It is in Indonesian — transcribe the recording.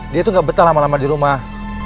dia tuh gak betah lama dua dirumah